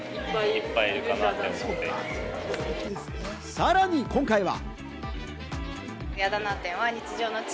さらに今回は。